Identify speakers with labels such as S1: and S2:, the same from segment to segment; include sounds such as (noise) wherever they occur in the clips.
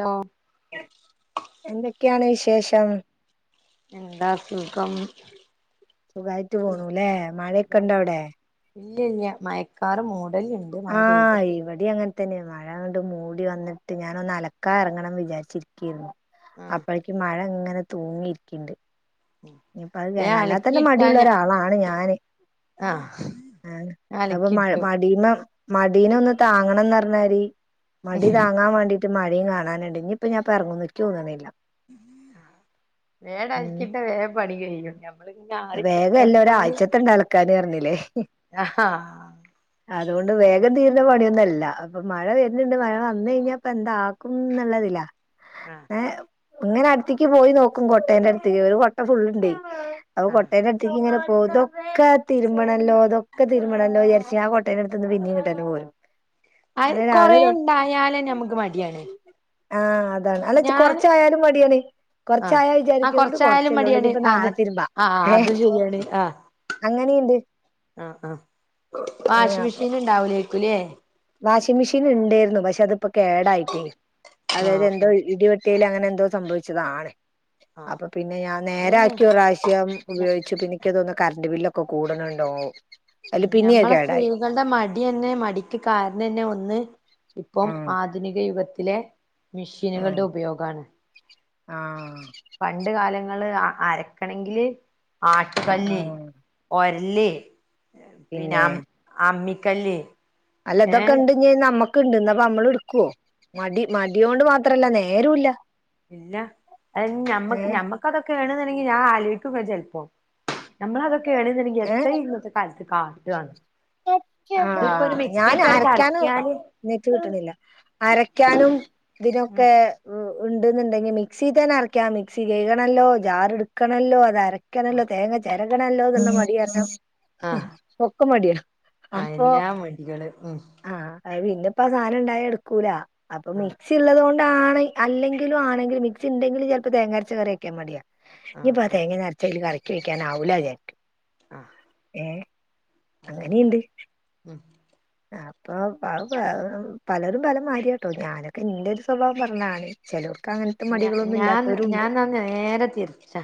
S1: Law
S2: എന്തൊക്കെയാണ് വിശേഷം?
S1: എന്താ സുഖം.
S2: സുഖായിട്ട് പോണു അല്ലെ മഴയൊക്കെ ഇണ്ട അവിടെ?
S1: ഇല്ല ഇല്ല മയക്കാറ് മൂട-
S2: ആഹ്! ഇവിടെ അങ്ങനെ തന്നെ മഴ- മ വന്നിട്ട് ഞ അക്കറാരി
S1: ആഹ്
S2: അഴ മഴ. തൂങ്ങിയിരിക്കണ്ട് ഇനിയിപ്പ
S1: ഞാൻ
S2: അത് അല്ലാത്തന്നെ മടിയുള്ള
S1: അലക്കിയിട്ടാൻ
S2: ഒരാളാണ് ഞാന്
S1: ആഹ്
S2: ആഹ! അപ്പൊ മ
S1: അലക്കിട്ടു
S2: മടമ മടീന ഒന്ന് താങ്ങണംന്ന് പറഞ്ഞാരി മടി താങ്ങാൻ വേണ്ടിട്ട് മഴയും കാണാനു ഇനി ഇപ്പ ഞൻ പറങ്ങു നക്ക് തോന്നണില്ല
S1: വേടക്കിട്ട വേറെ പണ കഴ്യ ഞ
S2: വേഗംമല്ല ഒരാഴ്ചത്തണ്ട ഇളക്കൻ പറഞ്ഞില്ലേ
S1: ആഹാ
S2: അതുകൊണ്ട്
S1: അങ്ങനെ
S2: വേഗം തീരുന്ന പണിയൊന്നുംല്ല അപ്പൊ മഴ വരുന്നുണ്ട് മഴ വന്നാ കഴിഞ്ഞപ്പ എന്താക്കും എന്നുള്ളതില്ല
S1: ആഹ!
S2: ഇങ്ങനെ അടുത്തേക്ക് പോയി നോക്കും കൊട്ടേന്റെ അടുത്തേക്ക് ഒരു കൊട്ട ഫുള്ള്ണ്ടേ അപ്പൊ
S1: ആഹ്
S2: കൊട്ടേന്റെ അടുത്തേക്ക് ഇങ്ങനെ ഓ ഇതൊക്കെതിരുമണല്ലോ ഇതൊക്കെ തിരുമണല്ലോ വിചരിച്ചിച് ആ കോട്ടേനടുന്ന് പിന്നീങ്ങട്ടന്നെ പോരും
S1: അ
S2: അങ്ങനെ രാവിലെ
S1: കൊറെ ഉണ്ടായാല ഞമ്മക്ക് മടിയാണ്
S2: ആഹ അതാണ് അല്ല
S1: ഞാൻ
S2: കൊറച്ചായാലും മടിയാണ്
S1: ആഹ്
S2: കൊറച്ചായ വിചാരിക്കും ത്കൊറച്ചല്ലേ ഉള്ളൂ നിപ്പ നാളെ തിരുമ്പാ
S1: ആ അതും ശര്യാണ് ആ.
S2: അങ്ങനെണ്ട്
S1: ആഹ! ആഹ! വാഷി
S2: അപ്പൊ
S1: മെഷീൻ ഉണ്ടാവലേവീട്ടില്
S2: വാഷിംഗ് മെഷീൻ ണ്ടേരുന്നു പക്ഷെ അതിപ്പോ കേടായിട്ട് അതായത്
S1: ആഹ്
S2: എന്താ
S1: ആഹ്
S2: ഇ- വറ്റയിൽ അങ്ങനെ എന്തോ സംഭവിച്ചതാണ്
S1: ആഹ്
S2: അപ്പൊ പിന്നെ ഞാൻ
S1: അതന്നെ
S2: നേരാക്കിയ പ്രാവശ്യം
S1: ഞ
S2: ഉപയോഗിച്ച് പിനിക്ക് തോന്ന കറണ്ട് ബില്ലൊക്കെ ഒക്കെ കൂടണുണ്ടാവോ
S1: ഉ ഞമ്മളെ സ്ത്രീകളുടെ മടി തന്നെ മടിക്ക് കാരണന്നെ ഒന്ന് ഇപ്പം
S2: ഉം
S1: ആധുനിക യുഗത്തിലെ മെഷീനുകളുടെ ഉപയോഗാണ്
S2: ആഹ!
S1: അരക്കണമെങ്കില് ആട്ട്കല്ല്
S2: ആഹ്
S1: ഒരല് പിന്നെ അം അമ്മിക്കല്
S2: അല്ല ഇതൊക്കെ ഉണ്ട നമ്മക്ക് ഇണ്ടന്നപ്പ നമ്മള് എടുക്കുവോ മടി മടിയ കൊണ്ട് മാത്രല്ല നേരല്ല
S1: ഇല്ല അത ഞമ്മക്ക് ഞമ്മക്കതൊക്കെ ണുന്നുണ്ടെങ്കി ഞാൻ ആലോക്കുങ്ങന ചെലപ്പോം നമ്മൾ അതൊക്കെണണ്ടെങ്കിൽ എത്രയും ഇന്നത്തെ കാലത്ത് കാട്ടന്ന്
S2: ആ ഞാൻ അരക്കാന
S1: കറക്കിയാല്
S2: നെറ്റ് കിട്ടണില്ല അരക്കാനും
S1: ഉം
S2: ഇതിനൊക്കെ- ഉണ്ട്ന്നുണ്ടെങ്കിൽ മിക്സിൽ തന്നെ അരക്കാം മിക്സി കഴകണമല്ലോ ജാർ എടുക്കണമല്ലോ അത്ര- ചെക്കണല്ലോ തേങ്ങ ചെരകണല്ലോ എന്നുള്ള മടികാരണം
S1: ആ
S2: പ്പ ഒക്ക മടിയാ
S1: ആ
S2: അപ്പൊ
S1: എല്ലാ വടികള് മ്
S2: ആഹ് അത് പിന്നെ ഇപ്പ ആ സാധനം ഇണ്ടായ എടുക്കൂല അപ്പൊ
S1: ആഹ്
S2: മിക്സി ഉള്ളതൊണ് ആണെ അല്ലെങ്കിലും ആണെങ്കിലും മിക്സി ഇണ്ടെങ്കിലും ചിലപ്പം തേങ്ങരച്ച കറി വെക്കാ മടിയാ.
S1: ആഹ്
S2: ഇനിപ്പ ആ
S1: ആഹ്
S2: തേങ്ങ നിറച്ചതിൽ കലക്കി വെക്കാൻ ആവൂല ചാരിക്കും
S1: ആഹ്
S2: ഏ
S1: അതന്നെ ഉം
S2: ആ പ്പം പ് പ പ പലരും പല മാരിയാ കേട്ടോ ഞാനൊക്കെ എന്റെ ഒരു സ്വഭാവം പറഞ്ഞതാണ് ചിലർ
S1: ഞ ഞാൻ ഞാൻ ന്ന നേരെ തിരിച്ചാ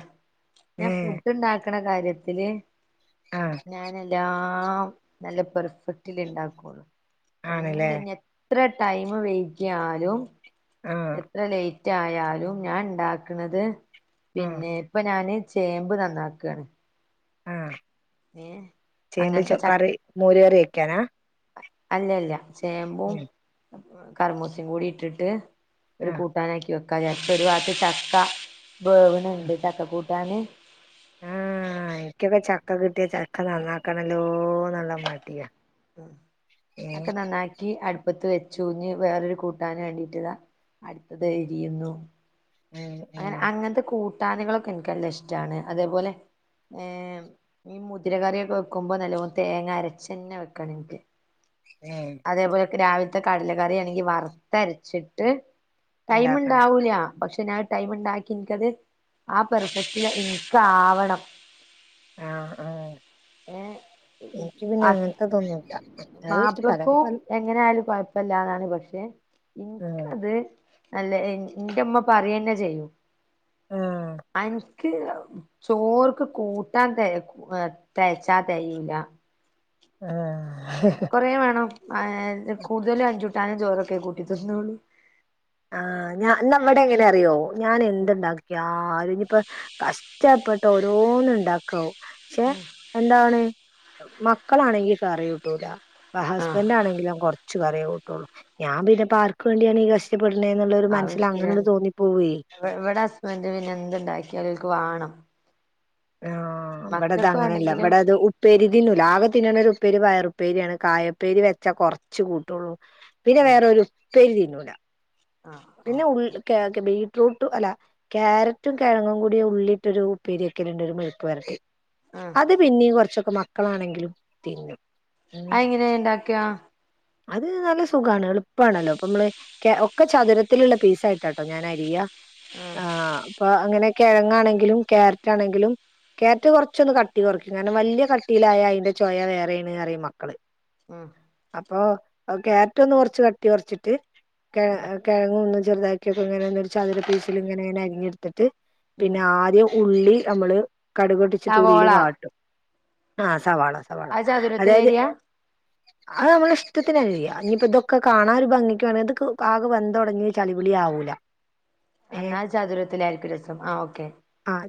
S2: ഏ
S1: ഞാൻ ഫുഡ് ഉണ്ടാക്കണ കാര്യത് ത്തില്
S2: ആഹ്
S1: ഞാൻ എല്ലാം നല്ല പെർഫെക്റ്റില് ഇണ്ടാക്കുള്ളു.
S2: ആണല്ലേ
S1: എന്ത് നി എത്ര ടൈം വെെയിക്കാലും
S2: ആഹ്
S1: എത്ര ലേറ്റ് റ്റായാലും ഞാൻ ഉണ്ടാക്ക്ന്നത്
S2: ആഹ്
S1: പിന്നെ ഇപ്പൊ ഞാന് ചേമ്പ് നന്നാക്കയാണ്.
S2: ആ ചേമ്പ് ചൊ
S1: അങ്ങനത്തെ
S2: കറി മോര് കറി വെക്കാനാ
S1: അല്ലല്ല ചേമ്പും
S2: ഉം
S1: കറ്മൂസയും കൂടി ഇട്ടിട്ട് ഒരു
S2: ആഹ്
S1: കൂട്ടാനാക്കി വെക്കാനാ ഒരു ഭാഗത്ത് ചക്ക വേവുനുണ്ട് ചക്ക കൂട്ട് ട്ടാന്
S2: ആ എനിക്കൊക്കെ ചക്ക കിട്ടിയ ചക്ക നന്നാക്കണല്ലോന്നുള്ള മടിയാ ഏഹ്
S1: അക്കെ നന്നാക്കി അടുപ്പത്ത് വെച് ചൂഞ്ഞ് വേറൊരു കൂട്ടാൻ വേണ്ടിട്ടിതാ അടുത്തത് രിയുന്നു.
S2: ഉം
S1: അങ്ങനെ
S2: ഉം
S1: അങ്ങനത്തെ കൂട്ടാനകളൊക്കെ എനക്കെല്ലാം ഇഷ്ടമാണ് അതേപോലെ ഏർ ഈ മുതിര കറിയൊക്കെ വെക്കുമ്പോ നല്ലോ തേങ്ങ അരച്ച്ന്നെ വെക്കണം എനിക്ക്.
S2: ഏഹ്
S1: അതേപോലെക്കെ രാവിലത്തെ. കടലക്കറിയാണെങ്കി വറുത്ത് അരച്ചിട്ട് ടൈമ്
S2: ഇണ്ടാക്കണം
S1: ഉണ്ടാവൂല പക്ഷെ ഞാൻ ടൈമ് ഉണ്ടാക്കി എനിക്കത് ആ പെർപ്പസില് എനിക്ക് ആവണം.
S2: ആ ആ
S1: ഏ അ
S2: അങ്ങനത്തെതൊന്നുല്ല അത് പലരും
S1: മാപ്പിളക്കും
S2: പല
S1: എങ്ങനെ ആയാലും കൊഴപ്പില്ലാന്നാണ് പക്ഷെ ഇനി
S2: ഉം
S1: ക്കത് അല്ല എൻ ന്റെമ്മ പറയന്നെ ചെയ്യും
S2: ആഹ്
S1: അൻ എക്ക് ചോർക്ക് കൂട്ടാൻ തെക തെയ്ച്ചാ തെകില.
S2: ആ
S1: കൊറേ വേണം അ കൂടുതലും അഞ്ചുട്ടാനും ചോറൊക്കെ കൂട്ടി തി ന്നുള്ളു.
S2: ആ ഞ ന്ന വിടെ ങ്ങനെ അറിയോ ഞാൻ എന്തുണ്ടാക്കിയാലു ഇനിപ്പോ കഷ് ട്ടപ്പെട്ട് ഓരോന്ന് ഉണ്ടാക്കാവും ക്ഷെ എന്താണ് മക്കളാണെങ്കിൽ കറി കൂട്ടൂല
S1: ആഹ്
S2: ഹസ്ബൻറ് ആണെങ്കിലും കൊറച് ച്ചു കറിയേകൂട്ടുള്ളൂ ഞാൻ പിന്നെ പാർക്ക് വേണ്ടിയാണ് കഷ്
S1: അതും ശരിയാണ് ഇ ഇവിടെ ഹസ്ബൻഡ് പിന്നെ എന്തുണ്ടാക്കിയാലും ക്ക് വേണം
S2: ആ ഇവിടത് അങ്ങനെയല്ല
S1: വേണ്ടെങ്കിലും
S2: ഇവിടെ അത് ഉപ്പേരി തിന്നുല ആകെ തിന്നണ ഒരു ഉപ്പേരി പയറു പ് ഉപ്പേരിയാണ് കായപ്പേരി വെച്ചാ കൊറച്ച കൂട്ടുള്ളൂ പിന്നെ
S1: ആഹ്
S2: വേറരു ഉപ്പേരി തിന്നൂല
S1: ആഹ്
S2: പിന്നെ
S1: ആഹ്
S2: ഉൾക്കാക്കെ ബി യും ഫ്രൂട്ടും അല്ല ക്യാരറ്റും കിഴങ്ങും കൂടി ഉള്ളിട്ടൊരു ഉപ്പേരിയൊക്കെല്ലണ്ട് ഒരു മെഴുക്ക്‌ വരട്ടി.
S1: ആഹ്
S2: അത് പിന്നെയും കുറച്ചൊക്കെ മക്കളാണെങ്കിലും തിന്നും. ഉം
S1: അയ് എങ്ങനെ ഇണ്ടാക്കിയാ
S2: അത് നല്ല സുഖാണ് എളുപ്പാണല്ലോ അപ്പൊ നമ്മള് ക്യ ഒക്കെ ചതുരത് ത്തിലുള്ള പീസായിട്ടാ കേട്ടോ ഞാൻ അരിയ
S1: ആഹ്
S2: ആ അപ്പ അങ്ങനെ കിഴങ്ങാണെങ്കിലും ക്യാരറ്റാണെങ്കിലും ക്യാരറ്റ് കുറച്ചൊന്ന് കട്ടി കുറയ്ക്കും കാരണം വലിയ കട്ടിയിലായ അയിന്റെ ചോയ വേറെയാണ് ന്നറിയും മക്കള്
S1: ആ
S2: ഓ ആ ക്യാരറ്റ് ഒന്ന് കുറച്ച് കട്ടി കൊർച്ചിട്ട്
S1: ആഹ്
S2: കെ കിഴങ്ങും ഒന്ന് ചെറുതാക്കിയൊക്കെ ഇങ്ങനെ ചതുര പീസില് ഇങ്ങനങ്ങനെ അരിഞ്ഞെടുത്തിട്ട്
S1: ഉം
S2: പിന്നെ ആദ്യം ഉള്ളി നമ്മള് കടുക് പൊട്ടിച്ചിട്ട് ഉള്ളി
S1: സവോള
S2: വാട്ടും ആ സവാള സവാള
S1: അത്
S2: അതായത്
S1: ചതുരത്തിലരിയാ
S2: അത് നമ്മടെ ഇഷ്ടത്തിന്നരിയാം ഇനി ഇതൊപ്പൊക്കെ കാണാനൊരു ഭംഗിക്കാണ ഇത് ആകെ വെന്ത് തൊടങ്ങി ചളിപൊളിയ ആവൂല ഏ
S1: എന്നാല് ചതുരത്തില ആരിക്കു രസം ആഹ് ഓക്കെ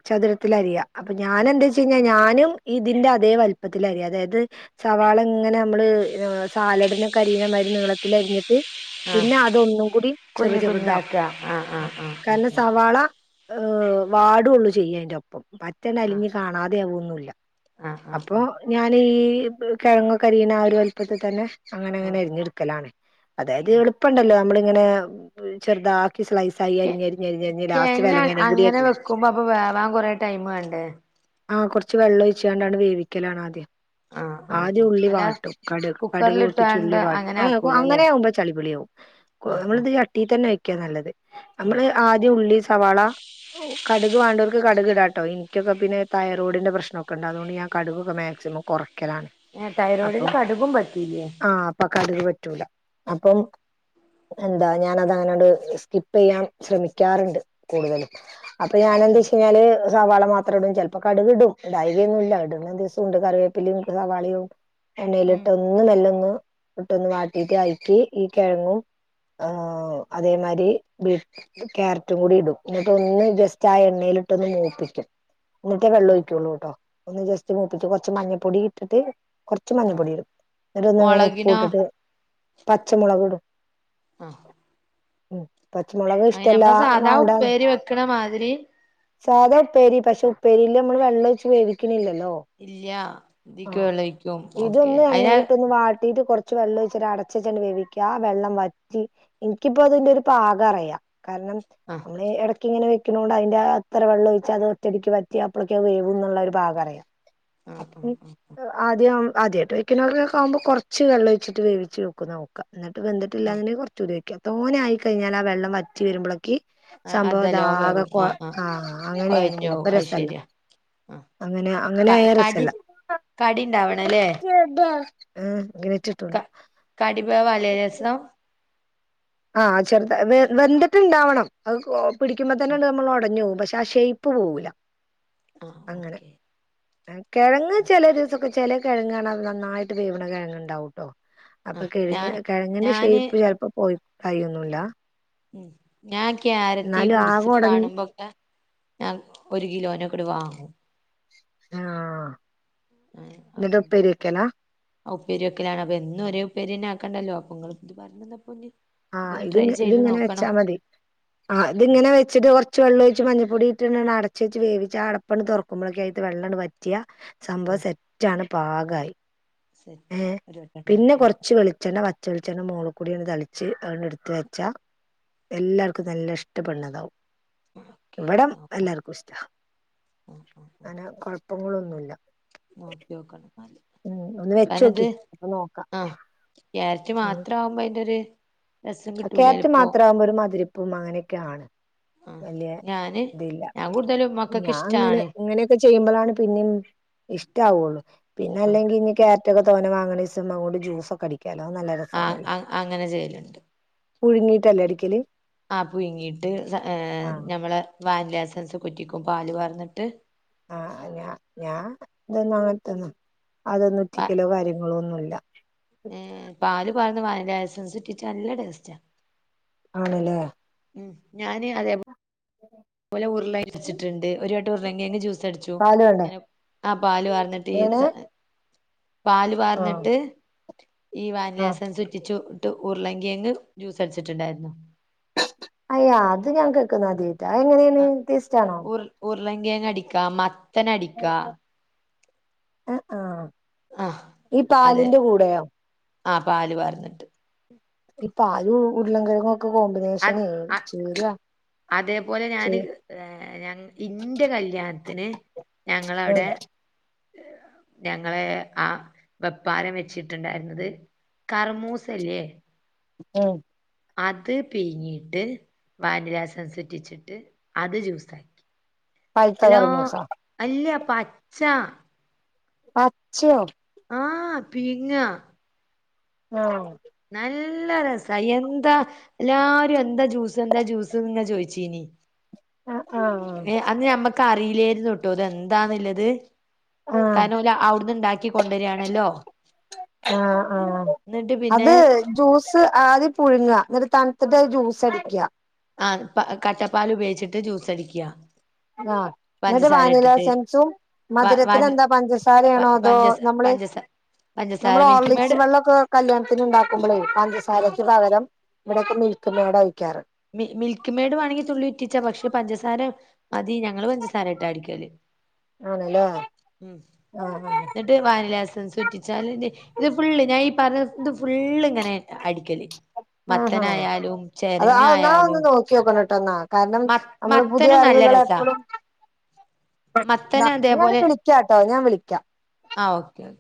S2: ചതുരത്തില് അരിയാ അപ്പൊ ഞാനെന്താച്ചന്നാ ഞാനും ഇതിന്റെ അതേ വലിപ്പത്തിലരിയ അതായത് സവാള ഇങ്ങനെ നമ്മള് സാലഡ് പിന്നെ കരിമ നീളത്തിൽ അരിഞ്ഞിട്ട്
S1: ആഹ്
S2: പിന്നെ അതൊന്നും കൂടി ചെറു
S1: കുഞ്ഞ് കുഞ്ഞാക്ക
S2: ചെറുതാക്കും
S1: ആഹ്
S2: ആ
S1: ആഹ് ആഹ് ഉം
S2: കാരണം സവാള ഏഹ് വാടൂള്ളൂ ചെയ്യാ അയിൻ്റൊപ്പം പറ്റന്നും
S1: ഉം
S2: അലിഞ്ഞ് കാണാതെ ആവൊന്നുല്ല
S1: ആഹ് ആഹ് ആഹ്
S2: അപ്പൊ
S1: ആഹ്
S2: ഞാൻ ഈ കെഴങ്ങൊക്കെ അരിയണ ആ ഒരു വലിപ്പത്തിൽ തന്നെ അങ്ങനെ അങ്ങനെ
S1: ആഹ്
S2: അരിഞ്ഞെടുക്കലാണ് അതായത്
S1: ആഹ്
S2: എളുപ്പണ്ടല്ലോ നമ്മളിങ്ങനെ ചെറുതാ സ്‌ലൈസായി
S1: കെ
S2: അരിഞ്ഞരിഞ്ഞ് ലാസ്റ്റ്
S1: കെഴങ്ങ്
S2: വിലങ്ങനേയും കൂടി
S1: അങ്ങനെ
S2: അരിഞ്ഞ്
S1: വെക്കുമ്പോ അപ്പൊ വേവാൻ കൊറേ ടൈം വേണ്ടേ
S2: ആ കുറച്ച് വെള്ളം ഒഴിച്ചുകാണ്ടാണ് വേവിക്കലാണ് ആദ്യം
S1: ആ
S2: ആദ്യം ഉള്ളി വാട്ടും കടുക് കടുക് പൊട്ടിച്ച് ഉള്ളി
S1: കുക്കറിലിട്ടാണ്ട്
S2: വാട്ടും
S1: അങ്ങനെ
S2: ഏ
S1: ആക്കൂലല്ലേ
S2: അങ്ങനെ ആകുമ്പോ ചളിപിളിയാകും
S1: ആഹ് ആഹ്
S2: (unintelligible) തന്നെ വെക്കാ നല്ലത്
S1: ആഹ്
S2: നമ്മള് ആദ്യം ഉള്ളി സവാള കടുക് വേണ്ടവർ കടുകിട്ടാട്ടോ എനിക്കൊക്കെ പിന്നെ തൈറോഡിൻ്റെ പ്രശ്നൊക്കെ ഉണ്ട് അതുകൊണ്ട് ഞാൻ കടുകൊക്കെ മാക്സിമം കൊറ
S1: ഏഹ് തൈറോയ്ഡിന്
S2: അപ്പം
S1: കടുകും പറ്റൂലേ
S2: ആ അപ്പം ക (unintelligible) അപ്പം എന്താ ഞാനതാനട് സ്കിപ്പ് ചെയ്യാൻ ശ്രമിക്കാറുണ്ട് കൂടുതലും അപ്പ ഞാനെന്താച്ചന്നാല് സവാള മാത്രടും ചെൽപ്പോ കടുകിടും ഇടായികയൊന്നുല്ല ഇടുന്ന ദിവസണ്ട് കറിവേപ്പില ഇടു സവാളിയും
S1: ഉം
S2: എണ്ണയിലിട്ടൊന്ന് മെല്ലൊന്ന് ഇട്ടൊന്ന് വാട്ടീട്ട് അയക്കി ഈ കിഴങ്ങു ആ അതേമാരി ബീറ്റ് ക്യാരറ്റും കൂടി ഇടും എന്നിട്ട് ഒന്ന് ജസ്റ്റ് ആ എണ്ണയിലിട്ട് ഒന്ന് മൂപ്പിക്കും എന്നിട്ടേ വെള്ളൊഴിക്കള്ളൂട്ടോ ഒന്ന് ജസ്റ്റ് മൂപ്പിച്ച് കൊറച്ച് മഞ്ഞപ്പൊടി ഇട്ടിട്ട് കൊറച്ച് മഞ്ഞ പൊടി ഇടും എന്നിട്ടൊന്നിങ്ങനെ ഉപ്പും
S1: മൊളകിനോ
S2: ഇട്ടിട്ട് പച്ചമുളക് ഇടും
S1: (inaudible)
S2: ഉം പച്ചമുളക്
S1: അങ്ങനെ
S2: ഇഷ്ടല്ലാ
S1: നമ്മളെ സാധാ
S2: വാണ്ട
S1: ഉപ്പേരി വെക്കണ മാതിരി
S2: സാദാ ഉപ്പേരി പക്ഷെ ഉപ്പേരീല് അമ്മള് വെള്ളൊഴിച്ച് വേവിക്കിണില്ലല്ലോ
S1: ഇല്ല
S2: ഓ ആ
S1: ഇതിക്ക് വെള്ളൊഴിക്കും ഓക്കെ
S2: ഇതൊന്ന്
S1: അയിന്
S2: എണ്ണയിലിട്ടൊന്ന് വട്ടീട്ട് കൊറ ച്ച് വെള്ളം ഒഴിച്ചിട്ട് അടച്ചിട്ട് വേവിക്കുക ആ വെള്ളം വറ്റി എനിക്കിപ്പോ അതിന്റെ ഒരു പാകം അറിയാം കാരണം
S1: ആഹ്
S2: നമ്മള് എടക്ക് ഇങ്ങനെ വ ണ്ട് അതിന്റെ അത്ര വെള്ളം ഒഴിച്ചാ അത് ഒറ്റടിക്ക് വറ്റി അപ്പോളേക്കും വേവും എന്നുള്ള ഒരു ഭാഗം അറിയാം
S1: ആഹ് ആഹ്
S2: ഉം
S1: ആഹ്
S2: അ ആദ്യം (unintelligible) കൊറച്ചു വെള്ളവെച്ചിട്ട് വേവിച്ച് വെക്കും നോക്ക എന്നിട്ട്
S1: ആഹ്
S2: വന്ിട്ടില്ലാതിന് (unintelligible) തോനെ ആയിക്കഴിഞ്ഞൽ ആ വെള്ളം വറ്റി വരുമ്പോ (unintelligible)
S1: ആഹ് അത്
S2: സംഭവം
S1: നല്ലോം
S2: ഇതാക
S1: വേവും ആഹ് ആഹ്
S2: (inaudible) അങ്ങനൊയിക്കണ് പോ
S1: കൊഴഞ്ഞോവും
S2: അപ്പൊ
S1: അത്
S2: രസല്ല
S1: ശരിയാ ആഹ്
S2: അങ്ങനെ അങ്ങനെ
S1: ക
S2: ആയ
S1: കടി
S2: രസല്ല
S1: കടി
S2: (unintelligible)
S1: ഇണ്ടാവണല്ലേ ക
S2: ഗണിച്ചിട്ടുള്ള
S1: (inaudible)
S2: ആഹ് ചെറുത വെന്തിട്ട്ണ്ടാവണം അത് (unintelligible) പിടിക്കുമ്പോ തന്നെ
S1: ആഹ്
S2: നമ്മൾ ഉടഞ്ഞു പോവും ശശയിപ്പ് പോവൂല
S1: ആഹ്
S2: അങ്ങനെ
S1: ഓക്കെ
S2: കിഴങ്ങ് ചില ദിവസമൊക്കെ ചില കിഴങ്ങ നന്നായിട്ട് വീവിണ കിഴങ്ങ് ഉണ്ടാവകൂട്ടോ അപ്പൊ
S1: ആഹ് ഞാ
S2: കിഴങ്ങ കിഴങ്ങിന്റെ
S1: ഞാന്
S2: ഷേപ്പ് ചെലപ്പോ പോയി കായിന്നുല്ല
S1: (unintelligible) ഞാൻ
S2: ആകെ ഒടഞ്ഞ്
S1: ഒരു കിലോനെക്കൂടെ വാങ്ങു
S2: ആ
S1: പിന്നെ (unintelligible) അപ്പൊ എന്നും ഒരേ ഉപ്പേരിനെ ആക്കണ്ടല്ലോ ങ്ങളെപറ്റി പറ്ഞ്ന്നപ്പൊന്ന്
S2: ആ ഇത്ങ്ങ് ഇതിങ്ങനെവെച്ചാമതി ആ
S1: ഉം
S2: ഇതിങ്ങനെ വെച്ചിട്ട് കൊർച്ച് വെള്ളൊഴിച്ച് മഞ്ഞപ്പൊടി ട്ട് അടച്ച്വെച്ച് വേവിച്ച ആ അടപ്പണ്ട് തൊറക്കുമ്പോളൈ ഒക്കൈതെ വെള്ളണ്ട് വറ്റിയ സംഭവം
S1: ഉം
S2: സെറ്റാണ് പാകായി
S1: സെറ്റ്
S2: ഏ
S1: ഒരു വട്ടം
S2: പിന്നെ
S1: ഇണ്ടാക്കി നോക്കാം
S2: കൊറ്ച്ച് വെളിച്ചെണ്ണ വറ്റ് ചൊയിച്ചെന്ന് മോളക്കൂടെന്ന് തളിച്ച് അഹൊന്ന്ട്ത്തച്ച എല്ലാർക്കും നല്ല ഇഷ്ടപ്പെട്ന്നതാവും
S1: ഓക്കെ
S2: ഇവിടം
S1: നോക്കണം
S2: എല്ലാർക്കുഷ്ട ഐന് കൊഴപ്പങ്ങളൊനും ന്നുല്ല
S1: നോക്കിയോക്കണംന്നാല്
S2: ഉം ഒന്ന് വെച്ചോക്കി അപ്പൊ നോക്കാ
S1: ഏർച്ചി മാത്രാകുമ്പോ അതിൻ്റൊര്
S2: കേരറ്റ് മാത്രാകുമ്പോ ഒരു മതിരപ്പും അങ്ങനെയൊക്കെയാണ്
S1: ആഹ്
S2: വല്ല്യ
S1: ഞാന്
S2: ഇതില്ല
S1: ഞാൻ കൂടുതലും മക്കക്ക്
S2: ഞാന്ങ്ങനെ
S1: ഇഷ്ടാണ്
S2: ഇങ്ങനെയൊക്കെ ചെയ്യുമ്പളാണ് പിന്നെം ഇഷ്ടാവുള്ളു
S1: ആഹ്
S2: പിന്നെല്ലെങ്കിൽ ങ്ങ്കേ ര്റ്റക്കെ തോനെ വാങ്ങ്ണൂസം അതുകൊണ്ട് ജ്യൂസൊക്കടിക്കാലോ അതുംനല്ല
S1: ആഹ്
S2: രസാണല്ലോ
S1: ആഹ് അങ്ങനെ ചെയ്യലുണ്ട്
S2: പുഴുങ്ങീട്ടല്ലേ അടിക്കല്
S1: ആ പുഴിങ്ങിട്ട് ഏ
S2: ആഹ്
S1: ഞമ്മളെ വാനിലാസൻസൊക്കെ ഉറ്റിക്കും പാല് വാർന്നിട്ട്
S2: ആ ഞാ ഞാൻ ഇതൊന്നങ്ങൻ തൊന്നൈ അതൊന്നൊറ്റികലോ കാര്യങ്ങ ളൊന്നുല്ല
S1: ഏ പാല് പാർന്ന് വാനിലാഎസൻസിറ്റിച്ച നല്ല ടേസ്റ്റാ
S2: ആണല്ലേ
S1: ഉം ഞാന് അതെ പോലെ ഉരുളാച്ചിട്ടുണ്ട് ഒരുവട്ടം ഉരുളകെയങ് ജ്യൂസടിച്ചു
S2: പാല് വേണ്ടേ
S1: ഇങ്ങനെ ആ പല് വാർന്നിട്ട്
S2: എങ്ങനെ
S1: ഈസാ പാല്
S2: ആഹ്
S1: വാർന്നിട്ട് ഈ
S2: ആഹ്
S1: വാനിലാസെൻസ് ഉറ്റിച്ചു ഉരുളങ്കിയങ്ങ് ജ്യൂസടിച്ചിട്ടിണ്ടായിരുന്നു
S2: അയൊ അത് ഞാൻ കേക്കുന്നാദ്യട്ട അതെങ്ങനേണ് ടേസ്റ്റാണോ
S1: ഉരുളങ്കയങ് അടിക്കാ മത്തനടിക്കാ
S2: ആ ആ
S1: ആ
S2: ഇ പാലിന്റെ കൂടെയോ
S1: അ പാല് വാർന്നിട്ട്
S2: ഇപ്പാലും ഉരുളങ്കയങ്ങൊക്കെ
S1: അത്
S2: കോമ്പിനേഷനെ ചേരുവ
S1: അതേപോലെ ഞാന് ഏ ഞങ്ങ് ഇന്റെ കല്യാണ ത്തിന്
S2: ഉം
S1: ഞങ്ങളവിടെ ഞങ്ങള് ആ വെപ്പാലം വെച്ചിട്ടുണ്ടായിരുന്നത് കർമൂസല്ലേ
S2: ഇം
S1: അത് പിഴിഞ്ഞീട്ട് വാനിലാസെൻസുറ്റിച്ചിട്ട് അത് ജ്യൂസാക്കി
S2: പഴുത്ത
S1: ഹലോ
S2: കർമൂസ
S1: അല്ല പച്ചാ
S2: പച്ചയൊ
S1: ആ പീങ്ങ
S2: ആ
S1: നല്ല രസ എന്താ ല്ലാരും എന്തജ്യൂസ് എന്തജ്യൂസ് ങ്ങനെ ചോയ്ച്ചീനി
S2: ആഹ് ആഹ്
S1: ഏ അന്ന് അമ്മക്ക് അറീലേർ ട്ടൊ ഇതെന്താന്നില്ലത്
S2: ആഹ്
S1: കാരണം ഓല് അവിടന്നെണ്ടാക്കി തരാണല്ലോ
S2: ആ ആ
S1: പിന്നെ
S2: അത് ജ്യൂസ് ആദ്യ പുഴുങ്ങ എന്നട്ട് തണുത്ത്ട്ട് അത് ജ്യൂസടിക്ക
S1: ആ പ കട്ടപ്പാല് ഉപയോഗിച്ചിട്ട് ജ്യുസടിക്ക
S2: ആ ന്നിട്ട് വാനില എസൻസും
S1: വ
S2: മധുരത്തിന്
S1: വാനി
S2: എന്താ പഞ്ചസാരയാണോ അതോ
S1: പഞ്ചസ
S2: നമ്മള്
S1: പഞ്ചസ പഞ്ചസാര
S2: നമ്മൾ
S1: മിൽക്ക് മേഡ്
S2: ഓർലിക്സ് വെള്ളമൊക്കെ കല്യാണത്തിന് ഇണ്ടാക്കുമ്പളേ
S1: ആഹ്
S2: പഞ്ചസാരക്ക് പകരം ഇവിടൊക്കെ മിൽക്കുമേഡ ഒഴിക്കാറ്
S1: മി മിൽക്ക്മേഡ് വേണെങ്കി തുള്ളി ഉറ്റീച്ചാ പക്ഷെ പഞ്ചസാര മതി ഞങ്ങള് പഞ്ചസാര ഇട്ടാ അടിക്കല്
S2: ആണല്ലേ
S1: ഉ
S2: ആഹ് ആഹ്
S1: എന്നിട്ട് വാനിലഎസ ൻസൂറ്റിച്ചാലില്ലേ ഇത് ഫുള്ള് ഞാൻ ഈ പറഞ്ഞ ഇത് ഫുൾ ഇങ്ങനെ അടിക്കല് മത്തനായാലും ചേ
S2: അത ആ ഒന്നാ നോക്കി നോക്കണം കേട്ടോ എന്നാ കാരണം
S1: മ
S2: നമ്മള് പുതിയ
S1: മത്തനും നല്ല
S2: അറിവുകളെ
S1: രസാ
S2: എപ്പളും (unintelligible)
S1: മത്തന്
S2: ഞാന്
S1: അതേപോലെ
S2: വിളിക്കാട്ടോ ഞാൻ വിളിക്കാ
S1: ആഹ് ഓക്കെ ഓക്കെ